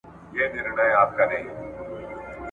او مرغانو ته ایږدي د مرګ دامونه ..